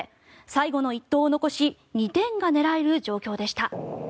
最後の一投を残し２点が狙える状況でした。